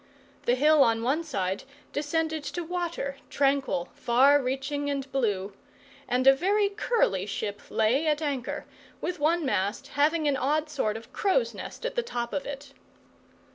The hill on one side descended to water, tranquil, far reaching, and blue; and a very curly ship lay at anchor, with one mast having an odd sort of crow's nest at the top of it.